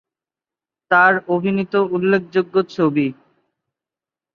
তাঁর অভিনীত উল্লেখযোগ্য ছবি-